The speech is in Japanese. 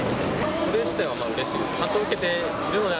それ自体はうれしいです。